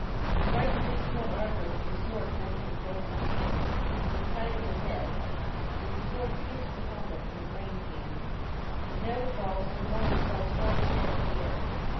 And right so he smote Arthur with his sword holden in both his hands, on the side of the head, that the sword pierced the helmet and the brain pan, and therewithal Sir Mordred fell stark dead to the earth.